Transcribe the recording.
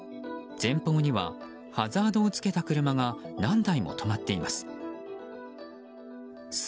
前方にはハザードをつけた車が何台も止まっています。